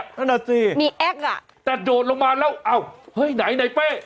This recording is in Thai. นั่นน่ะสิมีแอคอ่ะแต่โดดลงมาแล้วอ้าวเฮ้ยไหนไหนเป้